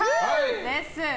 です。